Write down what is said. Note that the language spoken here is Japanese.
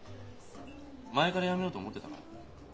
前から辞めようと思ってたから。